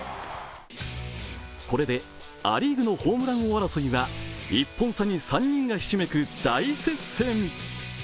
これでア・リーグのホームラン争いは１本差に３人がひしめく、大接戦！